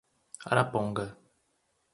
Araponga